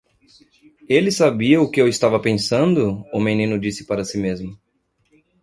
"Ele sabia o que eu estava pensando?" o menino disse para si mesmo.